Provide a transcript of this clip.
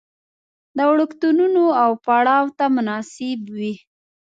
د وړکتونونو او پړاو ته مناسب وي.